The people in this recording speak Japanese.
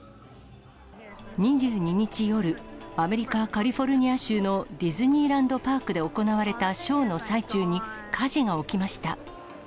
２２日夜、アメリカ・カリフォルニア州のディズニーランド・パークで行われたショーの最中に火事が起きました。